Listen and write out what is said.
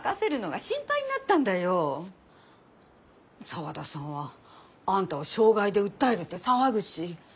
沢田さんはあんたを傷害で訴えるって騒ぐし。